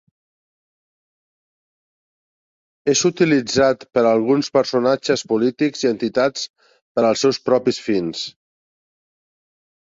És utilitzat per alguns personatges polítics i entitats per als seus propis fins.